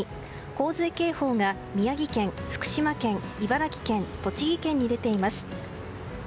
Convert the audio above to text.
洪水警報が宮城県、福島県、茨城県栃木県に出ています。